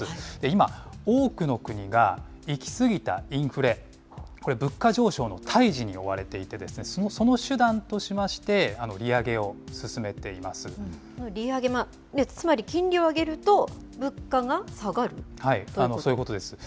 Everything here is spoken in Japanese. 今、多くの国が、行き過ぎたインフレ、これ、物価上昇の退治に追われていて、その手段としまして、利上げを進利上げ、つまり金利を上げるそういうことです。